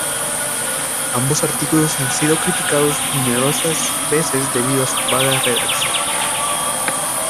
Ambos artículos han sido criticados numerosas veces debido a su vaga redacción.